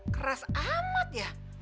keras amat ya